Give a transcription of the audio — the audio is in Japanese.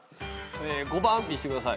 ５番見してください。